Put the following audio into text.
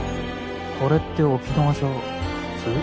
これって沖縄じゃ普通？